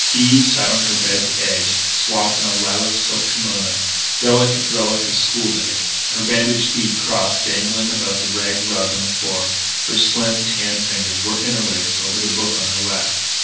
Eve sat on her bed's edge, swathed in a lilac silk kimona delicate relic of school days. Her bandaged feet, crossed, dangled above the rag rug on the floor; her slim, tanned fingers were interlaced over the book on her lap.